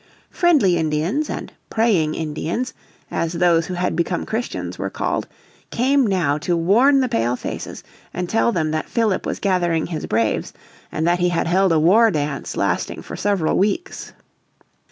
Friendly Indians and "praying Indians," as those who had become Christians were called, came now to warn the Pale faces and tell them that Philip was gathering his braves, and that he had held a war dance lasting for several weeks.